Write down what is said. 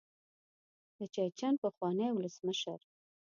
د چیچن پخواني ولسمشر.